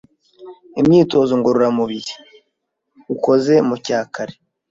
Imyitozo ngororamubiri ukoze mucyakare